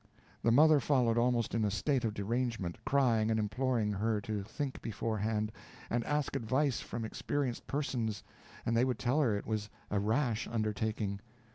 The mother followed almost in a state of derangement, crying and imploring her to think beforehand, and ask advice from experienced persons, and they would tell her it was a rash undertaking.